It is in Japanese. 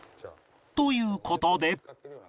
という事で